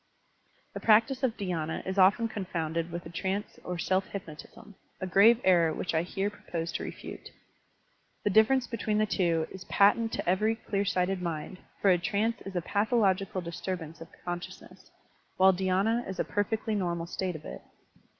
The practice of dhydna is often confounded with a trance or self hypnotism, — a grave error which I here propose to refute. The difference between the two is patent to every clear sighted mind, for a trance is a pathological disturbance of consciousness, while dhy^na is a perfectly normal state of it.